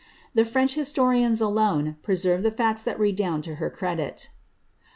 The French historians alone preserve the facts that redound to her credit.